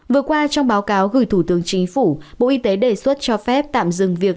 vừa qua trong báo cáo gửi thủ tướng chính phủ bộ y tế đề xuất cho phép tạm dừng việc